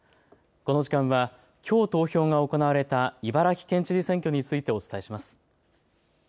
この時間はきょう投票が行われた茨城県知事選挙についてお伝えします。